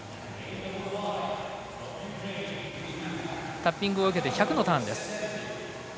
タッピングを受けて１００のターン。